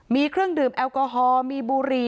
มีเครื่องดื่มแอลกอฮอล์มีบุหรี่